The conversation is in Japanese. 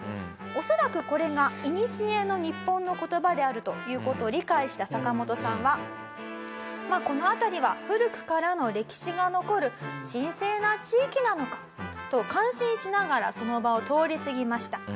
恐らくこれがいにしえの日本の言葉であるという事を理解したサカモトさんはこの辺りは古くからの歴史が残る神聖な地域なのかと感心しながらその場を通り過ぎました。